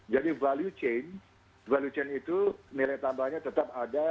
jadi value chain value chain itu harus kita link kan harus bisa kita kawinkan dengan proses proses sebelumnya